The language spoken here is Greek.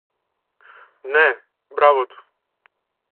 Ναι, μπράβο του!